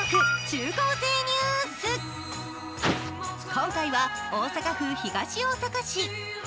今回は大阪府東大阪市。